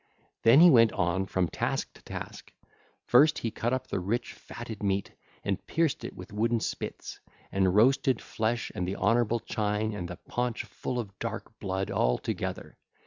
Then he went on from task to task: first he cut up the rich, fatted meat, and pierced it with wooden spits, and roasted flesh and the honourable chine and the paunch full of dark blood all together.